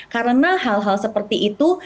karena hal hal seperti itu